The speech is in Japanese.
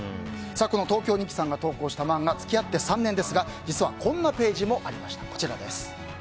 東京日記さんが投稿した漫画「付き合って３年」ですがこんなページもありました。